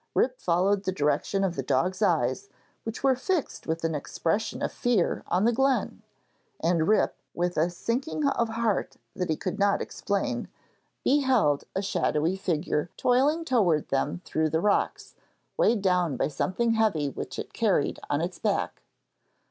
Rip followed the direction of the dog's eyes, which were fixed with an expression of fear on the glen; and Rip, with a sinking of heart that he could not explain, beheld a shadowy figure toiling towards them through the rocks, weighed down by something heavy which it carried on its back.